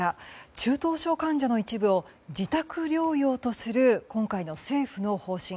中等症患者の一部を自宅療養とする今回の政府の方針。